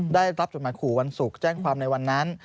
ได้รับจดหมายขู่วันศุกร์แจ้งความในวันนั้น